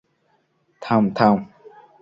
থাম, থাম।